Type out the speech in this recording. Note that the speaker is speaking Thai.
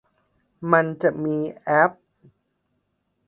มันจะมีแอป